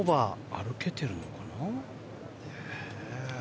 歩けてるのかな。